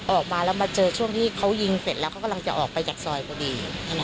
ออกมาแล้วมาเจอช่วงที่เขายิงเสร็จแล้วเขากำลังจะออกไปจากซอยพอดี